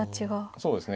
そうですね。